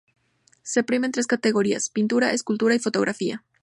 Se premian tres categorías: Pintura, Escultura y Fotografía.